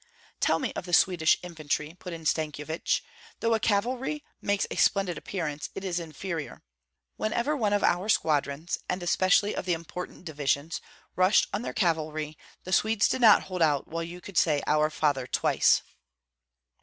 "Tell me of the Swedish infantry!" put in Stankyevich. "Though the cavalry makes a splendid appearance, it is inferior. Whenever one of our squadrons, and especially of the important divisions, rushed on their cavalry, the Swedes did not hold out while you could say 'Our Father' twice."